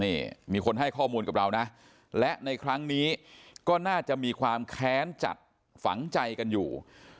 นี่มีคนให้ข้อมูลกับเรานะและในครั้งนี้ก็น่าจะมีความแค้นจัดฝังใจกันอยู่